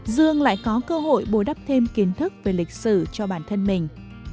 dương lại có cơ hội bồi đắp thêm kiến thức về lịch sử cho bản thân mình